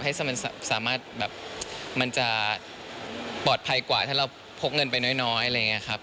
ให้มันสามารถแบบมันจะปลอดภัยกว่าถ้าเราพกเงินไปน้อยอะไรอย่างนี้ครับ